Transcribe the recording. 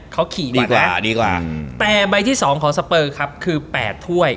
เขาขี่ดีกว่าแต่ใบที่๒ของสเปอร์คือแปดถ้วย